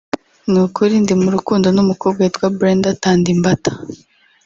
ni ukuri ndi mu rukundo n’umukobwa witwa Brenda Thandi Mbatha